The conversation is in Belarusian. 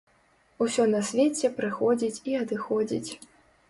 Усё на свеце прыходзіць і адыходзіць.